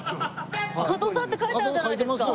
「角座」って書いてあるじゃないですか。